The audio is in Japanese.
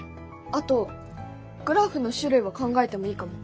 あとグラフの種類を考えてもいいかも。